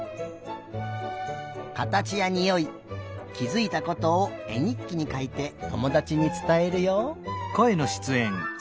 かたちやにおいきづいたことをえにっきにかいてともだちにつたえるよ。